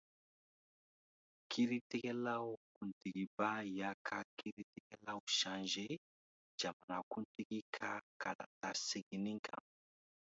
Kiiritigɛla kuntigiba y'a ka kiritigɛlaw Changé jamanakuntigi ka kalata seginni kan.